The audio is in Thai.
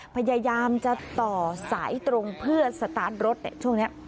พยายามจะต่อสายตรงเพื่อสตาร์ทรถช่วงนี้